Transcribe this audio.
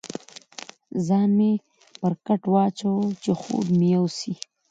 ځان مې پر کټ واچاوه، چې خوب مې یوسي.